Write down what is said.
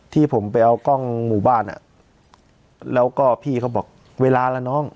ที่ผมไปเอากล้องหมู่บ้านอ่ะแล้วก็พี่เขาบอกเวลาแล้วน้อง